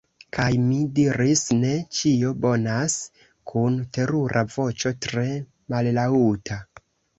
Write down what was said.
Kaj mi diris: "Ne... ĉio bonas." kun terura voĉo tre mallaŭta.